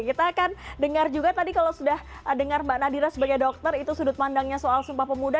kita akan dengar juga tadi kalau sudah dengar mbak nadira sebagai dokter itu sudut pandangnya soal sumpah pemuda